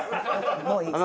もういいわ。